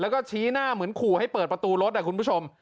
แล้วก็ชี้หน้าเหมือนขู่ให้เปิดประตูรถคุณผู้ชม